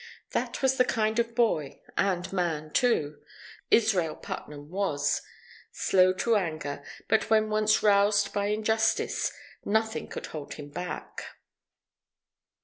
That was the kind of boy and man too Israel Putnam was; slow to anger; but when once roused by injustice, nothing could hold him back.